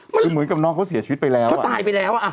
คือเหมือนกับน้องเขาเสียชีวิตไปแล้วเขาตายไปแล้วอ่ะ